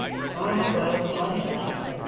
" Ah, well, time enough !